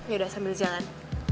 yaudah sambil jalan